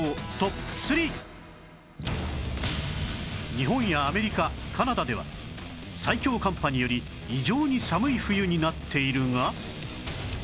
日本やアメリカカナダでは最強寒波により異常に寒い冬になっているが